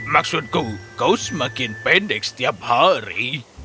maksudku kau semakin pendek setiap hari